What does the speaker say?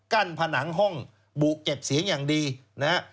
ผนังห้องบุเก็บเสียงอย่างดีนะฮะ